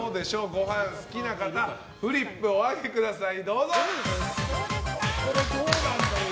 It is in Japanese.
ご飯好きな方フリップをお上げください。